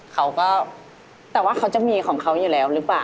เขาก็แต่ว่าเขาจะมีของเขาอยู่แล้วหรือเปล่า